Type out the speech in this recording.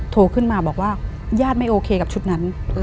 โทรขึ้นมาบอกว่าญาติไม่โอเคกับชุดนั้น